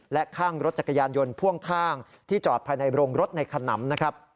และข้างรถจักรยานยนต์พ่วงข้างที่จอดภายในโรงรถในขนำนะครับ